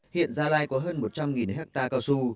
hiện gia lai có hơn một trăm linh hectare cao su